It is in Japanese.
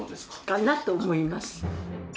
かなと思います。